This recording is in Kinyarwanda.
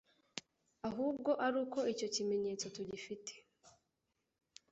ahubwo ari uko icyo kimenyetso tugifite.